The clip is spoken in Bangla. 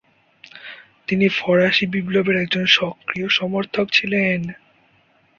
তিনি ফরাসি বিপ্লবের একজন সক্রিয় সমর্থক ছিলেন।